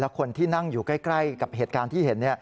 คนที่นั่งอยู่ใกล้กับเหตุการณ์ที่เห็น